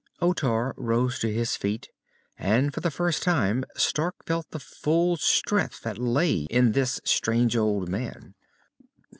Otar rose to his feet, and for the first time Stark felt the full strength that lay in this strange old man.